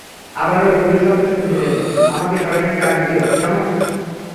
আবারো গুলির শব্দ শুনতে পেলে, আমাকে সরাসরি ডাক দিও, কেমন?